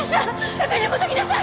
すぐに戻りなさい！